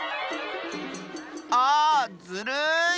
ああずるい！